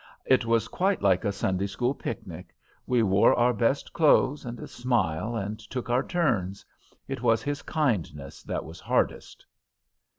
It was quite like a Sunday school picnic; we wore our best clothes and a smile and took our turns. It was his kindness that was hardest."